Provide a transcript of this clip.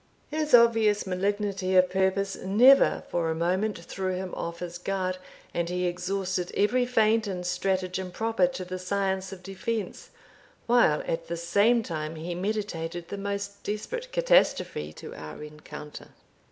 His obvious malignity of purpose never for a moment threw him off his guard, and he exhausted every feint and stratagem proper to the science of defence; while, at the same time, he meditated the most desperate catastrophe to our rencounter.